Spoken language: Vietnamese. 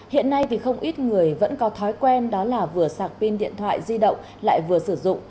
hiện nay thì không ít người vẫn có thói quen đó là vừa sạc pin điện thoại di động lại vừa sử dụng